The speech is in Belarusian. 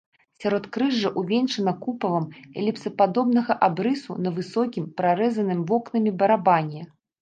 Сяродкрыжжа увенчана купалам эліпсападобнага абрысу на высокім, прарэзаным вокнамі барабане.